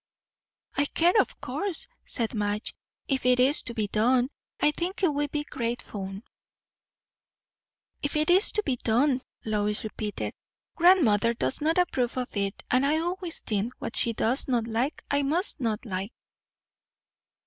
"I care, of course," said Madge. "If it is to be done, I think it will be great fun." "If it is to be done," Lois repeated. "Grandmother does not approve of it; and I always think, what she does not like, I must not like."